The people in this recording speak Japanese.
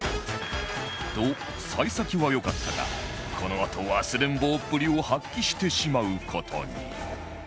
と幸先は良かったがこのあと忘れん坊っぷりを発揮してしまう事に